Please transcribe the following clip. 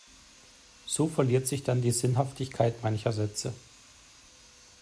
So verliert sich dann die Sinnhaftigkeit mancher Sätze.